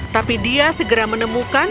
tapi dia segera menemukan